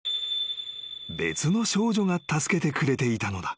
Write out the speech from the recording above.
［別の少女が助けてくれていたのだ］